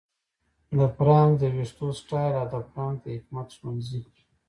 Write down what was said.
د فرانک د ویښتو سټایل او د فرانک د حکمت ښوونځي